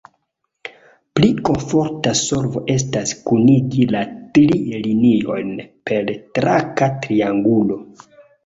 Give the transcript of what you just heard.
Pli komforta solvo estas kunigi la tri liniojn per traka triangulo.